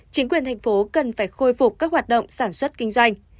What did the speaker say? chính quyền thành phố cần phải khôi phục các hoạt động sản xuất kinh doanh